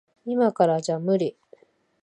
いまからじゃ無理。